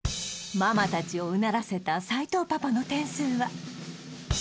ママ達をうならせた斎藤パパの点数は？